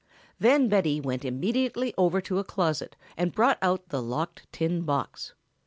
Then Betty went immediately over to a closet and brought out the locked tin box.